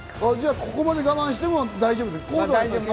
ここまで我慢しても大丈夫。